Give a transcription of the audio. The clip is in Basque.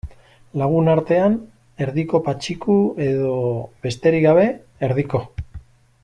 Lagunartean, Erdiko Patxiku edo, besterik gabe, Erdiko.